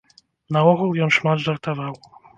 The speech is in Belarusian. Наогул ён шмат жартаваў.